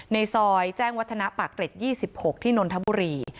ในซอยแจ้งวัฒนะปากเกร็ด๒๖ที่นนทบุรี